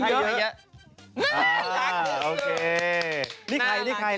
โอเค